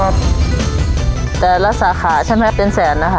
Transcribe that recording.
และสาขาฉันไว้เป็นแสนนะคะ